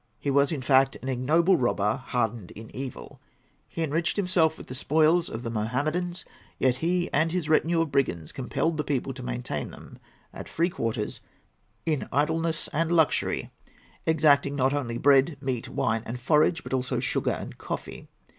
He was, in fact, an ignoble robber, hardened in evil. He enriched himself with the spoils of the Mahometans; yet he and his retinue of brigands compelled the people to maintain them at free quarters, in idleness and luxury, exacting not only bread, meat, wine, and forage, but also sugar and coffee.